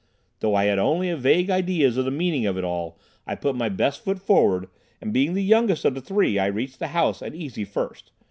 Though I had only vague ideas of the meaning of it all, I put my best foot forward, and, being the youngest of the three, I reached the house an easy first.